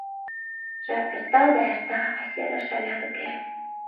Жап эрта да эрта, а серыш алят уке.